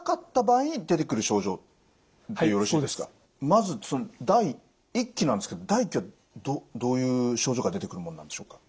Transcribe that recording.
まずその第１期なんですけど第１期はどういう症状が出てくるもんなんでしょうか？